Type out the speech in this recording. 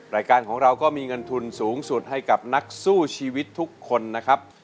รายการของเราก็มีเงินทุนสูงสุดให้กับนักสู้ชีวิตทุกคนนะครับ